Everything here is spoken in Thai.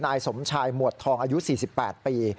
นายสมชายหมวดทองอายุ๔๘ปี